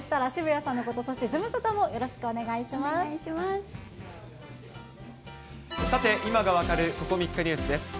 さて今が分かる、ここ３日ニュースです。